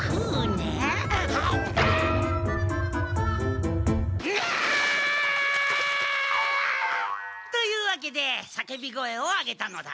ぎゃっ！というわけでさけび声を上げたのだ。